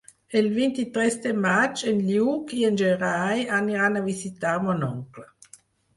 El vint-i-tres de maig en Lluc i en Gerai aniran a visitar mon oncle.